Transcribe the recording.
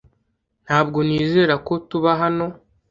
Ntabwo nizera ko tuba hano .